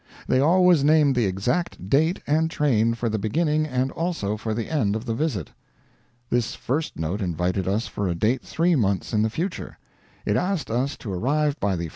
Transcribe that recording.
They always named the exact date and train for the beginning and also for the end of the visit. This first note invited us for a date three months in the future. It asked us to arrive by the 4.